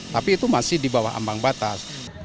tapi itu masih di bawah ambang batas